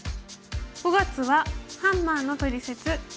５月は「ハンマーのトリセツ②」。